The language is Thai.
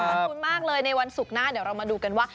ขอบคุณมากเลยในวันศุกร์หน้าเดี๋ยวเรามาดูกันว่า